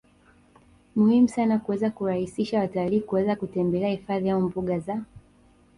muhimu sana kuweza kurahisisha watalii kuweza kutembele hifadhi au mbuga za